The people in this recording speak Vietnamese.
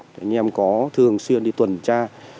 nhưng em có thường xuyên đi tuần tra